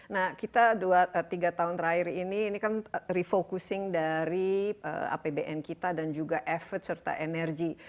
nah kita tiga tahun terakhir ini ini kan refocusing dari apbn kita dan juga effort serta energi